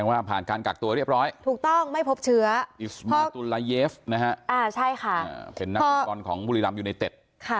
อุปกรณ์ของบุรีรำอยู่ในเต็ด